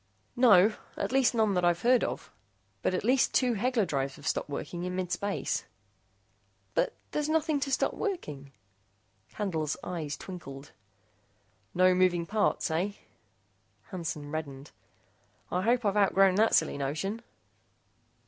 "No. At least none that I've heard of. But at least two Hegler drives have stopped working in mid space." "But, but there's nothing to stop working " Candle's eyes twinkled. "No moving parts, eh?" Hansen reddened. "I hope I've outgrown that silly notion."